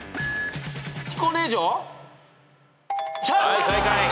はい正解。